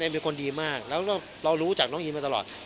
เน้นมีคนดีมากเรารู้จากน้องอิฉงมาตลอด